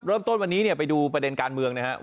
เริ่มต้นวันนี้ไปดูประเด็นการเมืองนะครับ